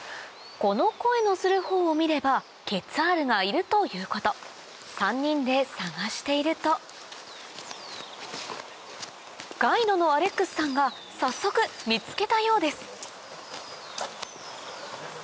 この声のする方を見ればケツァールがいるということ３人で探しているとガイドのアレックスさんが早速見つけたようです